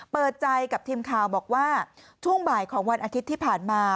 เปิดใจกับทีมข่าวบอกว่าช่วงบ่ายของวันอาทิตย์ที่ผ่านมา